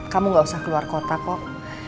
kamu gak usah keluar kota kok